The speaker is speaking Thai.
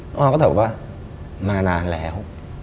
น้องออนก็ถือว่ามานานแล้ว